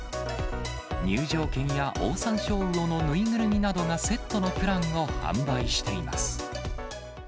入場券やオオサンショウウオの縫いぐるみなどがセットのプランを販売しています。